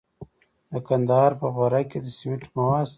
د کندهار په غورک کې د سمنټو مواد شته.